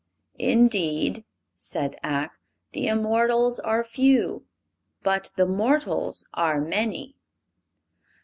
"Indeed," said Ak, "the immortals are few; but the mortals are many."